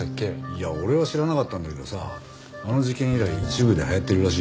いや俺は知らなかったんだけどさあの事件以来一部で流行ってるらしいよ。